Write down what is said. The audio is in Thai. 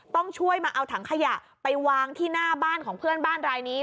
ต้องช่วยมาเอาถังขยะไปวางที่หน้าบ้านของเพื่อนบ้านรายนี้